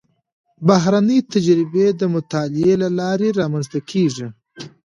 بهرنۍ تجربې د مطالعې له لارې رامنځته کېږي.